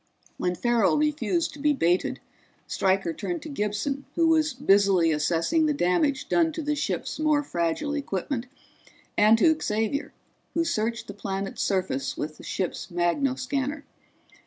When Farrell refused to be baited Stryker turned to Gibson, who was busily assessing the damage done to the ship's more fragile equipment, and to Xavier, who searched the planet's surface with the ship's magnoscanner.